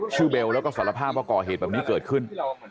เบลแล้วก็สารภาพว่าก่อเหตุแบบนี้เกิดขึ้น